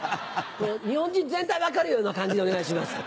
日本人全体分かるような感じでお願いします。